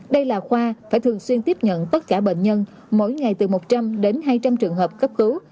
đây là khoa phải thường xuyên tiếp nhận tất cả bệnh nhân mỗi ngày từ một trăm linh đến hai trăm linh trường hợp cấp cứu